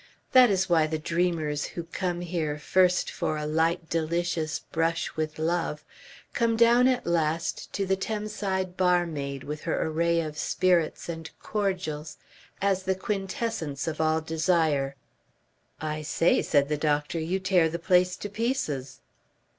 That is why the dreamers who come here first for a light delicious brush with love, come down at last to the Thamesside barmaid with her array of spirits and cordials as the quintessence of all desire." "I say," said the doctor. "You tear the place to pieces."